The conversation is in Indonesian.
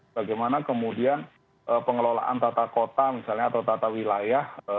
bagaimana kemudian pengelolaan tata kota misalnya atau tata wilayah